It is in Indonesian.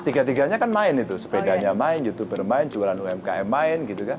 tiga tiganya kan main itu sepedanya main youtuber main jualan umkm main gitu kan